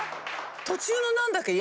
途中の何だっけ。